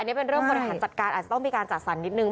อันนี้เป็นเรื่องบริหารจัดการอาจจะต้องมีการจัดสรรนิดนึง